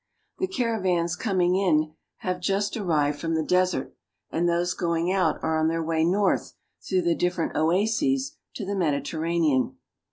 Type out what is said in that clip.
The caravans coming in have just arrived from the desert, and those going out are on their way north through the different oases to the Mediterranean.